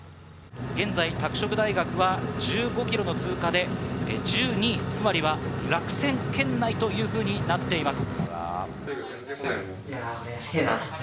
現在拓殖大学は１５ｋｍの通過で１２位、つまりは落選圏内というふうになっています。